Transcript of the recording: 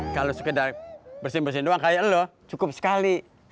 kalau sekedar bersin bersin doang kayak lu cukup sekali